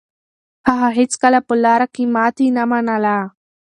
هغه هيڅکله په لاره کې ماتې نه منله.